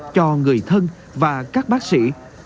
cho người thân và các bác sĩ